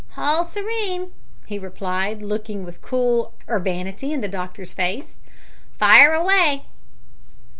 "Hall serene," he replied, looking with cool urbanity in the doctor's face, "fire away!"